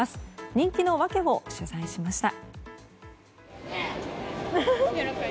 人気の訳を取材しました。